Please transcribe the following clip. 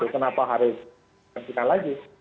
kenapa harus karantina lagi